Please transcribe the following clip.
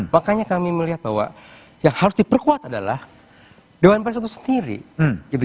makanya kami melihat bahwa yang harus diperkuat adalah dewan pers itu sendiri gitu